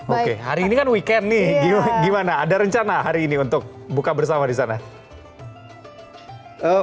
oke hari ini kan weekend nih gimana ada rencana hari ini untuk buka bersama di sana